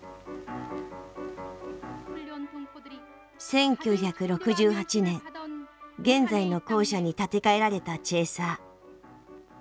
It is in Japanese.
１９６８年現在の校舎に建て替えられたチェーサー。